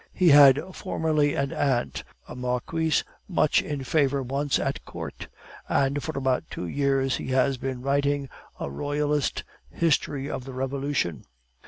He had formerly an aunt, a marquise, much in favor once at court, and for about two years he has been writing a Royalist history of the Revolution.